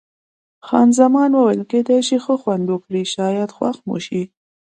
خان زمان وویل: کېدای شي ښه خوند وکړي، شاید خوښ مو شي.